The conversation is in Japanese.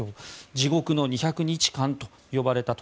地獄の２００日間と呼ばれたと。